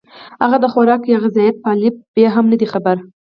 هغه د خوراک يا غذائيت پۀ الف ب هم نۀ دي خبر